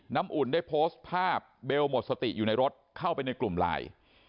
อุ่นได้โพสต์ภาพเบลหมดสติอยู่ในรถเข้าไปในกลุ่มไลน์